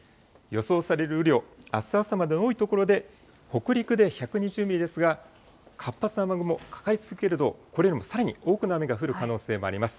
予想される雨量、あす朝までの多い所で、北陸で１２０ミリですが、活発な雨雲かかり続けると、これよりもさらに多くの雨が降る可能性もあります。